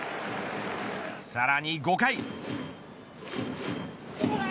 さらに５回。